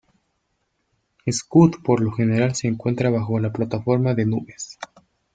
Scud por lo general se encuentran bajo plataforma de nubes.